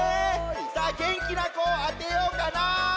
さあげんきなこあてようかな。